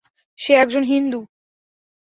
সে একজন হিন্দু।